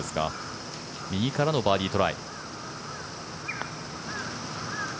右からのバーディートライ。